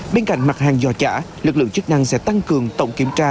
bên cạnh mặt hàng giò chả lực lượng chức năng sẽ tăng cường tổng kiểm tra